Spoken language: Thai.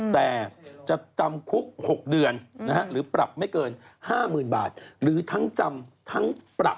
แต่จะจำคุก๖เดือนหรือปรับไม่เกิน๕๐๐๐บาทหรือทั้งจำทั้งปรับ